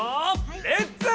レッツ！